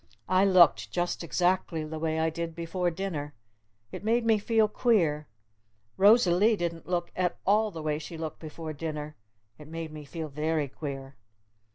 I looked just exactly the way I did before dinner. It made me feel queer. Rosalee didn't look at all the way she looked before dinner. It made me feel very queer.